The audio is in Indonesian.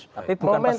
tapi bukan pesanan gus